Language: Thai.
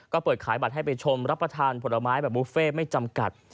ก็เปิดขายบัตรให้ไปชมรับประทานผลไม้แบบบุฟเฟ่ไม่จำกัด